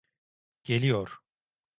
Geliyor.